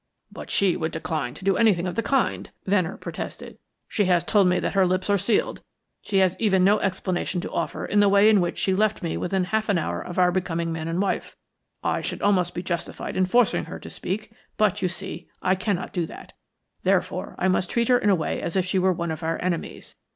"But she would decline to do anything of the kind," Venner protested. "She has told me that her lips are sealed; she has even no explanation to offer for the way in which she left me within half an hour of our becoming man and wife. I should almost be justified in forcing her to speak; but, you see, I cannot do that. Therefore, I must treat her in a way as if she were one of our enemies.